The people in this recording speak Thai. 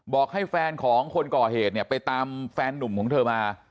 บอกให้แฟนของคนก่อเหตุเนี่ยไปตามแฟนนุ่มของเธอมา